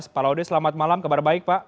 pak laude selamat malam kabar baik pak